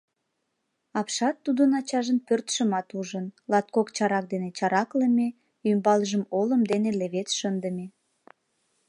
Апшат тудын ачажын пӧртшымат ужын, латкок чарак дене чараклыме, ӱмбалжым олым дене левед шындыме.